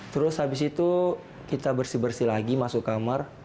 terus habis itu kita bersih bersih lagi masuk kamar